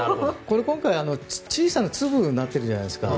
今回、小さな粒になってるじゃないですか。